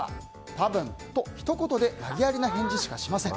多分。とひと言で投げやりな返事しかしません。